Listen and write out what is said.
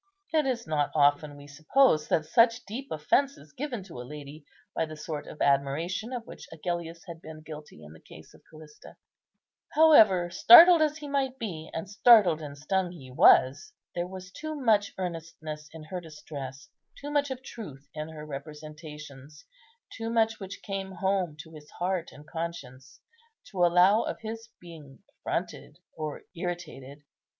It is not often, we suppose, that such deep offence is given to a lady by the sort of admiration of which Agellius had been guilty in the case of Callista; however, startled as he might be, and startled and stung he was, there was too much earnestness in her distress, too much of truth in her representations, too much which came home to his heart and conscience, to allow of his being affronted or irritated.